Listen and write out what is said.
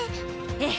ええ。